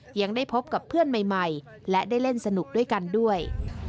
ยังได้พบกับเพื่อนใหม่และได้เล่นสนุกด้วยกันด้วย